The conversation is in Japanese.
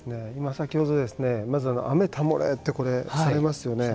先ほど、まず、雨たもれってこれ、されますよね。